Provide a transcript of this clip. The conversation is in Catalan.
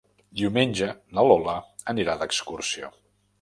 Diumenge na Lola anirà d'excursió.